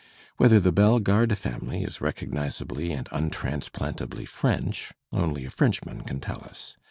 Whether the Bellegarde family is recognizably and untrahs plantably French, only a Frenchman can tell us.